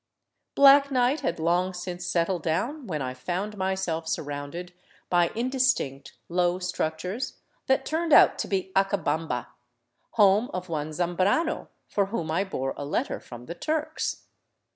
Black night had long since settled down when I found myself sur rounded by indistinct, low structures that turned out to be Acabamba, home of one Zambrano, for whom I bore a letter from the " Turks."